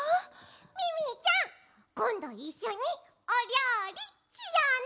ミミィちゃんこんどいっしょにおりょうりしようね！